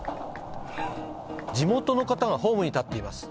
地元の方がホームに立っています